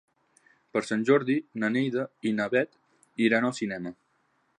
Per Sant Jordi na Neida i na Bet iran al cinema.